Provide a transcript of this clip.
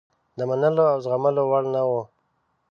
د منلو او زغملو وړ نه وه.